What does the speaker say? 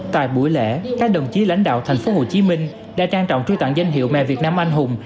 tại buổi lễ các đồng chí lãnh đạo tp hcm đã trang trọng truy tặng danh hiệu mẹ việt nam anh hùng